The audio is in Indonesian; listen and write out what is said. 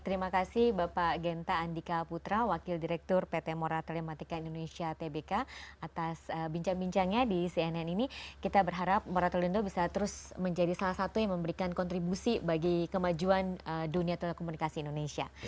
terima kasih bapak genta andika putra wakil direktur pt mora telematika indonesia tbk atas bincang bincangnya di cnn ini kita berharap moratolindo bisa terus menjadi salah satu yang memberikan kontribusi bagi kemajuan dunia telekomunikasi indonesia